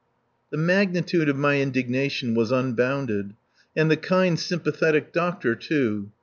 The magnitude of my indignation was unbounded. And the kind, sympathetic doctor, too.